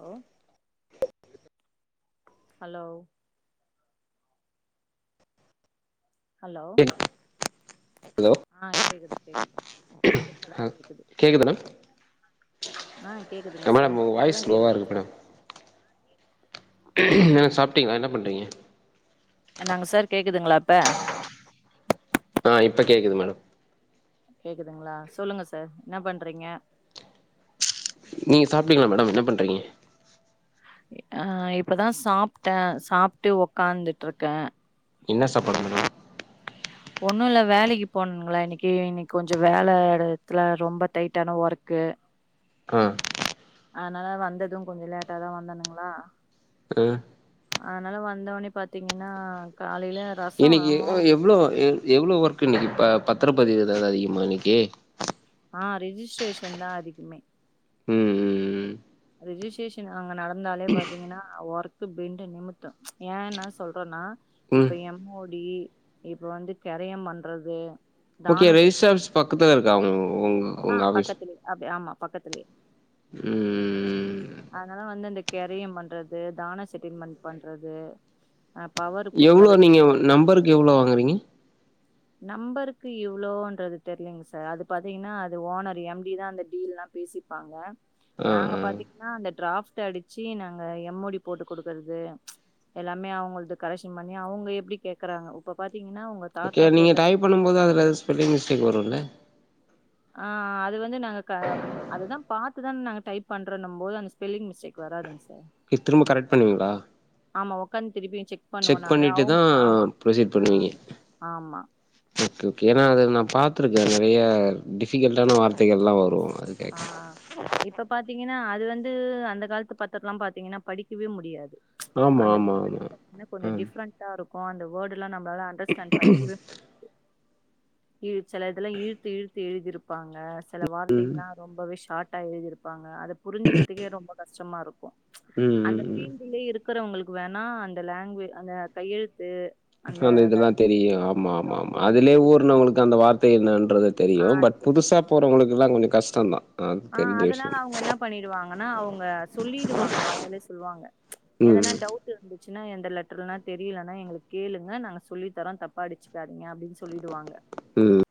Allow hello hello கேக் ஆ கேக்குது கேக்குது இப்ப தா அ கேக்குது கேக்குதா மேம் ஆ கேக்குதுங்க மேடம் சார் உங்க இப்பதா வாய்ஸ் ஸ்லோவா கேக்குதுங் சார் எதா சாப்ட்டீங்ளா, என்ன பண்றீங்க? என்னாங்க சார் கேக்குதுங்களா இப்ப? ஆ இப்ப கேக்குது மேடம் கேக்குதுங்களா சொல்லுங்க சார் என்ன பண்றீங்க? நீங்க சாப்டீங்களா மேடம் என்ன பண்றீங்க? எ அ இப்பதா சாப்ட்டே சாப்ட்டு ஒக்காந்துட்ருக்கே என்ன சாப்பாடுங்க [inaudible] ஒன்னுல்ல வேலைக்கு போணன்ங்ளா இன்னிக்கு இன்னிக் கொஞ்ச வேல எடத்துல ரொம்ப டைட்டான ஒர்க் கு ஆ அதுனலா வந்தது கொஞ்ச லேட்டா தா வந்தனுங்ளா ம் அதுனால வந்த உட்னே பாத்தீங்கன்னா க இன்னிக்கு உ எவ்ளோ எ எவ்ளோ ஒர்க் இன்னிக்கு பா பத் தர பதிவு எதாவ்து அதிகமா இன்னிக்கு? ஆ ரிஜிஸ்ட்ரேஷன் தா அதிகமே ம் ம் ரிஜிஸ்ட்ரேஷன் அங்க நடந்தாலே பாத்தீங்கனா ஒர்க்கு பெண்ட நிமுத்து ஏ நா சொல்றன்னா ம் இப்ப எம் ஓ டி இப்ப வந்து கெரயம் பண்றது ஓகே தான செட் ரெஜிஸ்ட்ர் ஆஃபிஸ் பக்கத்துல இருக்கா உங் உங்க ஆ உங்க ஆஃபீஸ் பக்கத்துலே அப்டி ஆமா பக்கத்துலயே ம் அதுனால வந்து அந்த கெரயம் பண்றது தான செட்டில்மெண்ட் பண்றது அ பவர் எவ்ளோ குடுக்கறது நீங்க நம்பருக்கு எவ்ளோ வாங்கறீங்க நம்பருக்கு இவ்ளோன்றது தெர்லீங்க சார் அது பாத்தீங்கனா அது ஓனர் எம் டி தா அந்த டீல்லா பேசிப்பாங்க ஆ நாங்க ஆ பாத்தீங்னா அந்த ட்ராஃப் ட் அடிச்சி நாங்க எம் ஓ டி போட்டு குடுக்கறது எல்லாமே அவுங்கள்து கரெக்சன் பண்ணி அவுங்க எப்டி கேக்கறாங்க உப்ப பாத்தீங்கனா உங்க தாத் எதா நீங்க டைப் பண்ணும்போது அதுல ஸ்பெல்லிங் மிஸ்டேக் வருல்ல ஆ அது வந்து நாங்க க அது தா பாத்து தான் நாங்க டைப் பண்றோனும்போது அந்த ஸ்பெல்லி்ங் மிஸ்டேக் வராதுங் இ திரும்ப கரெக்ட் பண்ணுவீங்ளா? ஆமா ஒக்காந் திருப்பியு செக் பண்ணுவோ நாங்க அவுங் தான் ஆமா ப்ரொசீட் ஆ பண்ணுவீங்க ஆமா ஓகே ஓகே ஏனா அது நா பாத்திருக்கே நெறையா டிஃபிகல்ட்டான வார்த்தைகள்லா வரு அது ஆ கேக்க இப்ப பாத்தீங்கனா அ து வந்து அந்த கால்த்து பத்தரல்லா பாத்தீங்கன்னா படிக்கவே முடியாது ஆமா அந்த ஆமா வோர்டு [inaudible] ஆமா மே கொஞ்ச ம் டிஃப்ரண்ட்டா இருக்கு அந்த வோர்டு ல்லா நம்ளால அண்டர்ஸ்டாண்ட் பண்ணிக்கவே இ செல இதல்லா இழுத்து இழுத்து எழுதிருப் பாங்க சில வார்த்தைங்ல்லா ம்பவே ஷாட்டா எழுதிருப்பாங்க அத புரிஞ்சிக்கிறதுக்கே ரொம்ப கஷ்டமாருக்கு ம் அந்த ம் ஃபீல்டுலே இரு க்கறவுங்களுக்கு வேணா அந்த லேங்வே அந்த கையெழு அந்த இதெல்லா தெரியு ஆமா லட்சோ ஆமா ஆமா அதுலே புரிஞ்சுக்கிட்டு ஊற்னவுங்களுக்கு அந்த வார்த்தை என்னன்றது ஆ தெரியு பட் புதுசா போறவங்களுக்கெல்லா கொஞ்ச கஷ்டந்தா அது ஆ தெரிஞ்ச அதனால விஷயம் அவுங்க என்ன பண்ணிடுவாங்கன்னா அவுங்க சொல்லிடுவாங்க வாயாலே சொல்லுவாங்க எதனா ம் டவுட் இருந்து ச்சின்னா எந்த லெட்டர்னா தெரியலன்னா எங்கள கேளுங்க நாங்க சொல்லி தரோம் தப்பா அடிச்சுக்கா நீங்க அப்டின்னு சொல்லிடுவாங்க ம்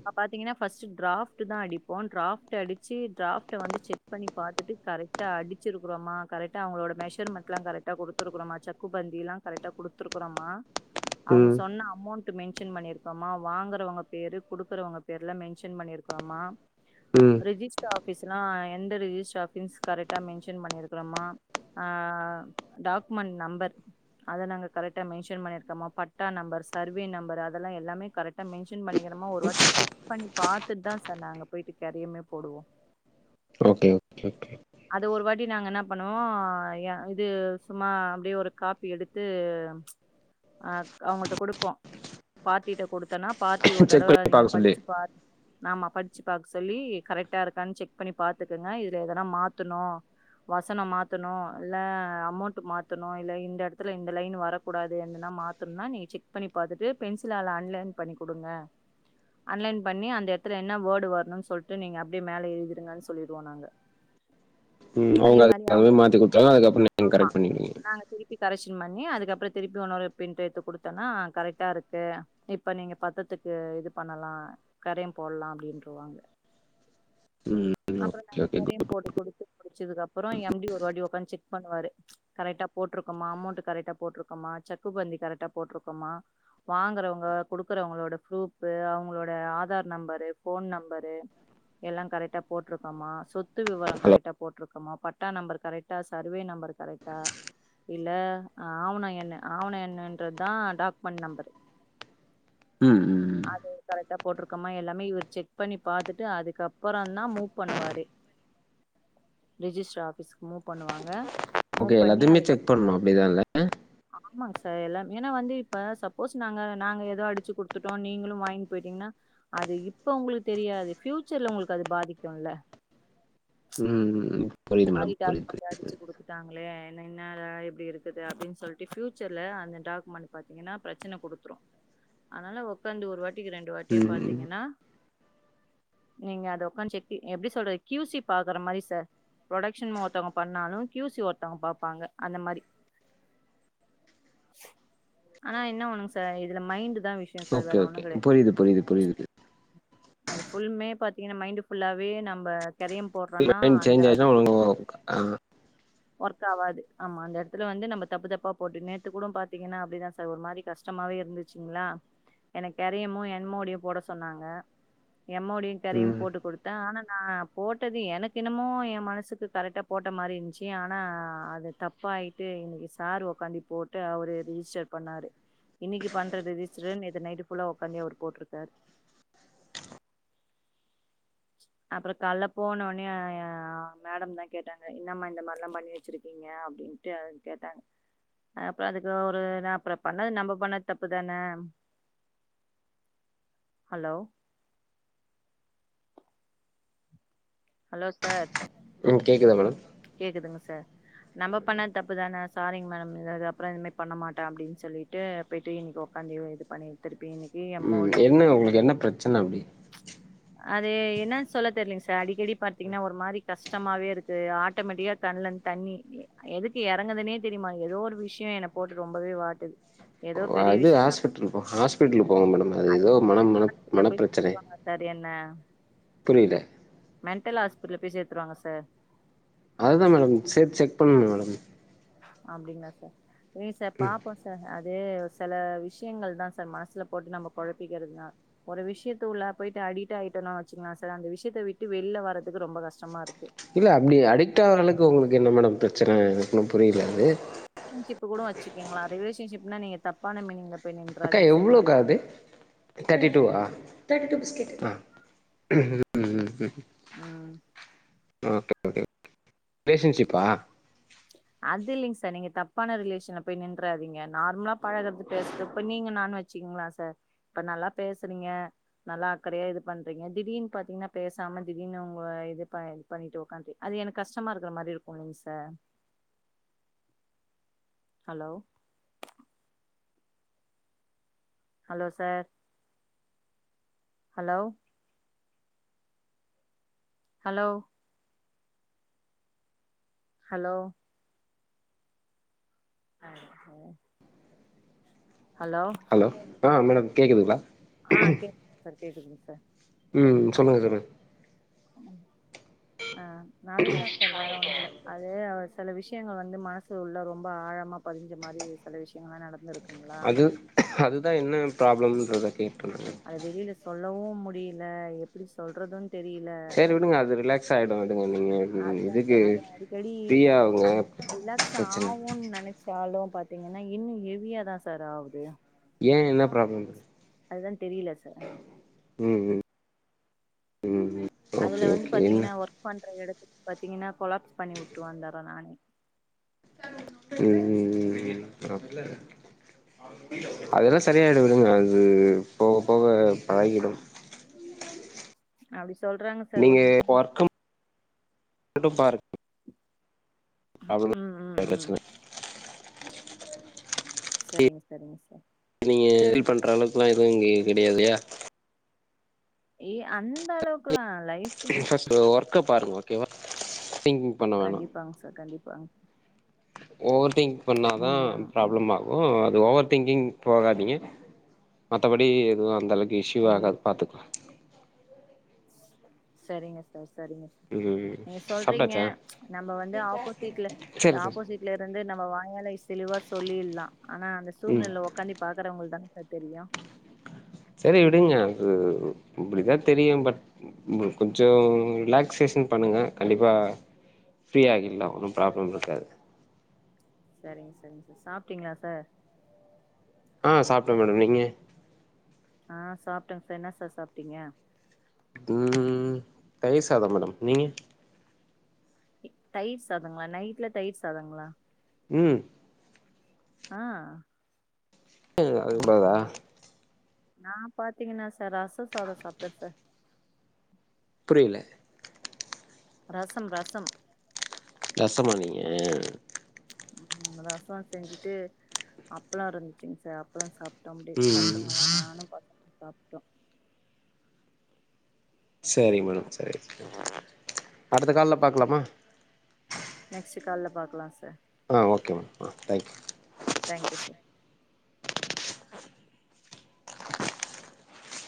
அப்ப பாத்தீங்கன்னா ஃபஸ்ட்டு டிராஃப்ட்டுதா அடிப்போ டிராஃப்ட் ட்ரு அடிச்சு டிராஃப்ட்ட வந்து செக் பண்ணி பாத்துட்டு கரெக்டா அடிச்சிருக்கிறோமா கரெக்டா அவுங்களோட மெஷர்மெண்ட் லா கரெக்டா குடுத்துருக்கிறோமா செக்குபந்திலா கரெக்டா குடுத்துருக்கிறோமா அவுங்க ம் சொன்ன அமௌண்ட் ட்ரு மென்ஷன் பண்ணிருக்கோமா வாங்கறவங்க பேரு குடுக்குறவங்க பேர்ல மென்ஷன் பண்ணிருக்கிறோமா ம் ரிஜிஸ்டர் ஆஃபீஸ்லா எந்த ரிஜிஸ்டர் ஆஃபீஸ் கரெக்டா மென்ஷன் பண்ணிருக்கிறோமா ஆ ஆ டாக்குமெண்ட் நம்பர் அத நாங்க கரெக்டா மென்ஷன் பண்ணிருக்கோமா பட்டா நம்பர் சர்வே நம்பர் இது அதெல்லா எல்லாமே கரெக்டா மென்ஷன் பண்ணிக்கிறோமா ஒருவாட்டி செக் பண்ணி பாத்துட்டுதா சார் நாங்க போயிட்டு கரியமே போடுவோ ஓகே ஓகே அது ஒருவாட்டி நாங்க என்ன பண்ணுவோ ஏ இது சும்மா அப்டியே ஒரு காப்பி எடுத்து ஆ அவுங்கள்ட்ட குடுப்போ பார்ட்டிட்ட குடுத்தன்னா பார்ட்டி ஒரு செக் தடவ அத பண்ணி நீங்க பாக்க சொல்லி படிச்சு பா ஆமா படிச்சு பாக்க சொல்லி கரெக்டா இருக்கான்னு செக் பண்ணி பாத்துக்குங்க இதுல எதனா மாத்தணு வசனம் மாத்தணு இல்ல அமௌண்டு மாத்தணு இல்ல இந்த எடத்துல இந்த லைனு வரக்கூடாது எதுன்னா மாத்தணுன்னா நீங்க செக் பண்ணி பாத்துட்டு பென்சிலால அன்லைன் பண்ணி குடுங்க அன்லைன் பண்ணி அந்த எடத்துல என்ன வேர்டு வரணுன்னு சொல்ட் ட்ரு நீங்க அப்டியே மேல எழுதிருங்கன்னு சொல்லிடுவோ நாங்க ம் அதே அவுங்க அதுக் மாரி அவங்க தகுந்தமேரி மாத்திக் குடுத்துருவாங்க அதுக்கப்புற நீங்க ஆமா கரெக்ட் பண்ணிடுவீங்க நாங்க திருப்பி கரெக்ஷன் பண்ணி அதுக்கப்புற திருப்பி உன்னோரு பிரிண்ட்டு எடுத்து குடுத்தேன்னா கரெக்டா இருக்கு இப்ப நீங்க பத்தத்துக்கு இது பண்ணலா கரையும் போட்லா அப்டின்ருவாங்க ம் அப்புற ஓகே நாங்க ஓகே கரையும் போட்டு குடுத்து முடிச்சதுக்கு அப்புற எம் டி ஒருவாட்டி உக்காந்து செக் பண்ணுவாரு கரெக்டா போட்ருக்கோமா அமௌண்ட்டு கரெக்டா போட்ருக்கோமா சக்கு பந்தி கரெக்டா போட்ருக்கோமா வாங்கறவங்க குடுக்குறவங்களோட ஃப்ரூஃபு அவுங்களோட ஆதார் நம்பரு ஃபோன் நம்பரு எல்லா கரெக்டா போட்ருக்கோமா சொத்து விவரம் ஹலோ கரெக்டா போட்ருக்கோமா பட்டா நம்பர் கரெக்டா சர்வே நம்பர் கரெக்டா இல்ல ஆவண எண்ண ஆவண எண்ணுன்றதுதா டாக்குமெண்ட் நம்பரு ம் ம் ட்டா போட்ருக்கோமா எல்லாமே இவர் செக் பண்ணி பாத்துட்டு அதுக்கப்பறந்தா மூவ் பண்ணுவாரு ரிஜிஸ்டர் ஆஃபிஸ்க்கு மூவ் பண்ணுவாங்க மூவ் ஓகே பண்ணி எல்லாத்தையுமே செக் அதுக்கப் பண்ணு அப்டிதான்ல்ல ஆமாங்க சார் எல்லாமே ஏன்னா வந்து இப்ப சப்போஸ் நாங்க நாங்க ஏதோ அடிச்சு குடுத்துட்டோ நீங்களு வாங்கிட் போயிட்டீங்கன்னா அது இப்ப உங்களுக்கு தெரியாது ஃபியூச்சர்ல உங்களுக்கு அது பாதிக்குல்ல ம் ம் புரியுது மேடம் புரியது புரியுது புரிது இல்லையா என்ன என்னடா இப்டி இருக்குது அப்டின்னு சொல்ட்டு ஃபியூச்சர்ல அந்த டாக்குமெண்ட் பாத்தீங்கன்னா பிரச்சன குடுத்துரு அதனால உக்காந்து ஒருவாட்டிக்கு ரெண்டுவாட்டியா ம் பாத்தீங்கன்னா நீங்க அத உக்கார்ந்து செக்கி எப்டி சொல்றது கியூ சி பாக்குற மாரி சார் ப்ரொடக்ஷன் ஒருத்தவங்க பண்ணாலு கியூ சி ஒருத்தவங்க பாப்பாங்க அந்த மாரி ஆனா என்ன ஒன்னுங்க சார் இதுல மைண்டுதா வி ஓகே ஓகே புரியுது புரியுது புரியுது அது ஃபுல்மே பாத்தீங்கன்னா மைண்டு ஃபுல்லாவே நம்ப [inaudible] மைண்ட் சேஞ்சாச்சுன்னா அவ்ளோதா ஆ ஒர்க் ஆவாது ஆமா அந்த எடத்துல வந்து நம்ப தப்பு தப்பா போட்டு நேத்துங்கூடோ பாத்தீங்கன்னா அப்டிதா சார் ஒரு மாரி கஷ்டமாவே இருந்துச்சுங்ளா எனக்கு கெரியமோ என்மோடியு போட சொன்னாங்க எம்மோடியு கெரையு ம் போட்டு குடுத்த ஆனா ந போட்டது எனக்கு எனமோ எ மனசுக்கு கரெக்டா போட்ட மாரி இருந்துச்சு ஆனா அது தப்ப ஆயிட்டு இன்னைக்கு சார் ஒக்காந்தி போட்டு அவரு ரிஜிஸ்டர் பண்ணாரு இன்னைக்கு பண்ற திஸ்டரு நேத்து நைட்டு ஃபுல்லா உட்காந்தி அவரு போட்டிருக்காரு ஆ அப்புற கால்ல போனோனே மேடம் தா கேட்டாங்க என்னமா இந்த மாரில்லா பண்ணி வச்சிருக்கீங்க அப்டின் ன்ட்டு அது கேட்டாங்க அ அப்புற அதுக்கு ஒரு ந அப்புற பண்ணது நம்ம பண்ணது தப்புதான ஹலோ ஹலோ சார் ம் கேக்குதா மேடம் கேக்குதுங்க சார் நம்ம பண்ண தப்பு தான சாரிங் மேடம் இதப்புற இத மாரி பண்ணமாட்டே அப்படின் சொல்லிட்டு போய்ட்டு ஈவ்னிங் பண்ணிரு இது பண்ணிரு ம் என்ன உங்களுக்கு என்ன பிரச்சனை அப்டி அது என்னன்னு சொல்ல தெரலங்க சார் அடிக்கடி பார்த்தீங்கன்னா ஒரு மாதிரி கஷ்டமாகவே இருக்குது ஆட்டோமேட்டிக்காக கண்ணலேருந்து தண்ணி எதுக்கு எறங்குதுனே தெரியமாட் ஏதோ ஒரு விஷய என்ன போட்டு ரொம்பவே வாட்டுது ஏதோ பெரிய அது விஷயோ நா ஹாஸ்பிட்டல் ஹாஸ்பிடலுக்கு போங்க மேடம் அது ஏதோ மன மன மனப் போய் பிரச்சனை சேத்துருவாங்க சார் என்ன புரில மெண்டல் ஹாஸ்பிடல் பேய் சேத்துருவாங்க சார் அதுதா மேடம் சேத் செக் பண்ணணு மேடம் அப்டிங்களா சார் நீ சார் பாப்போ சார் து செல விஷயங்கள் தா சார் மனசுல போட்டு நம்ம கொழப்பிக்கிறது தா ஒரு விஷயத்து உள்ள போயிட்டு அடிட் ஆயிட்டோ வச்சுக்கங்களா சார் அந்த விஷயத்த விட்டு வெளில வரறதுக்கு ரொம்ப கஷ்டமா இருக்கு இல்ல அப்டி அடிக்ட் ஆகுற அளக்கு உங்களுக்கு என்ன மேடம் பிரச்சனை எனக்கு ஒன்னு ரிலேஷன்ஷிப் கூட வச்சுக்கோங்களா ரிலேஷன்ஷிப்னா நீங்க தப்பான மீனிங்ல போய் அக்கா நின்றாதீங்க எவ்ளோக்கா சரிங்களா அது தட்டிடுவா தட்டி டு பிஸ்கட் ஆ ம் ம் ஒகே ஒகே ரிலேஷன்ஷிப்பா அது இல்லங் சார் நீங்க தப்பான ரிலேஷன் போய் நின்றாதீங்க நார்மலா பழகுறது பேசது இப்ப நீங்க நான் வச்சி ங்களா சார் இப்ப நல்லா பேசுறீங்க நல்லா அக்கறையா இது பண்றீங்க திடீனு பாத்தீங்ன்னா பேசாம திடீனு உங்க இது இ பண்ணிட்டு உக்காதி அது எனக்கு கஷ்டமா இருக்கற மாரி இருக்குல்லங்க sir hello hello sir hello hello hello ஆ ஹலோ ஆ மேடம் கேக்குதுங்களா ஆ கேக்குது சார் கேக்குதுங்க சார் ம் சொல்லுங்க தோழி ஆ அதுதா சார் வேற ஒண்ணுல்ல அதே அவச செல விஷயங்கள் வந்து மனசு உள்ள ரொம்ப ஆழமா பதிஞ்ச மாரி சில விஷயங்கள்லா நடந்துருக்கு அது அதுதா என்ன ப்ராப்ளம்ன்றது அது வெளியில சொல்லவு முடியல எப்படி சொல்றதுன் தெரியல சரி விடுங்க அது ரிலாக்ஸ் ஆயிடு விடுங்க நீங்க அதுதாந்த இதுக்கு அத அடிக்கடி ஃப்ரீயாவுங்க அது பிரச்சன ரிலாக்ஸ்ஸாவுன் நெனச்சாலும் பாத்தீங்கன்னா இன்னு ஹெவியாதா சார் ஆவுது ஏ என்ன ப்ராப்ளம் அதுதா தெரியல சார் ம் ம் ம் அதுல வந்து பாத்தீங்கன்னா ஒர்க் பண்ற எடத் பாத்தீங்கன்னா கொலாப்ஸ் பண்ணி வுட்டு வந்தற்ற நானே ம் ம் ம் பிராப்ள அதெல்லா செரியாயிடு அது போக போக பழக்கிடும் அப்டி சொல்றாங்க சார் ஒண்ணே விடும் பாருக் அதுனால் ம் ம் வர ம் ப்ரச்சன செரிங்க சொரிங்க சார் நீங்க ஹெல்ப் பண்ற அளவுக்குல்லா எதுவு இங்க கெடையாதுயா ஏ அந்த அளவுக்குல்லா லைஃப்ஃபுன் அக்கா பாருங்க ஓகேவா திங்கிங் பண்ண வேணா கண்டிப்பாங்க சார் கண்டிப்பாங் ஓவர் திங்க் பண்ணாதா ம் ம் ம் ப்ராப்ளம் ஆகு ஓவர் திங்கிங் போகாதீங்க மத்தபடி எதுவு அந்த அளவுக் இஸ்யூ ம் ஆகாது பாத்துக்லா செரிங்க சார் செரிங்க சார் ம் நீங்க சொல்றீங்க சாப்ட்டாச்சா நம்ப வந்து ஆப்போசிட்ல சரி சரி ஆப்போசிட்லருந்து நம்ப வாங் வேலை செளிவா சொல்லில்லா ஆனா அந்த ம் சூழ்நில ஒக்காந்தி பாக்கறவங்கள் இதானுங்க சார் தெரியு விடுங்க விடுங்க அது இப்டிதா தெரியு பட் உங்களுக்கு கொஞ்சோ ரிலாக்சேஷன் பண்ணுங்க கண்டிப்பா ஃப்ரீயாகில்லா ஒன்னும் ப்ராப்ளம் இருக்காது செரிங்க சொரிங்க சார் சாப்ட்டீங்ளா சார் ஆ சாப்ட்ட மேடம் நீங்க அ சாப்ட்ட சார் என்ன சார் சாப்ட்டீங்க ம் தயிர்சாதோ மேடம் நீங்க தயிர் சாதங்ளா நைட்ல தயிர் சாதங்ளா ம் ஆ இல்ல இல்ல அது ம் உண்மதா ம் நா பாத்தீங்ன்னா சார் ரச சாதோ சாப்ட்ட சார் புரில ரசம் ரசம் ரசமா நீங்க ம் ரசோ செஞ்சிட்டு அப்ளோ‌ இருந்துச்சிங் சார் அப்ளோ சாப் டோ அப்டியே ம் பசங்காள்ளா நானும் பசங்க சாப்ட்டோ செரி மேடம் செரி செரி அடுத்த கால்ல பாக்கலாமா நெக்ஸ்ட்டு‌ கால்ல பாக்கலா சார் அ ஓகேமா அ தேங்க்யூ தேங்க்யூ சார்